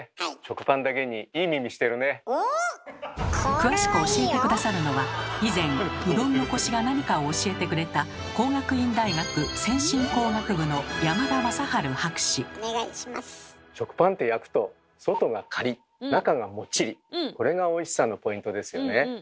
詳しく教えて下さるのは以前うどんのコシが何かを教えてくれた食パンって焼くとこれがおいしさのポイントですよね。